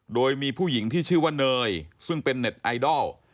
โดยมีผู้หญิงที่ชื่อว่าเนยซึ่งเป็นเน็ตไอดอล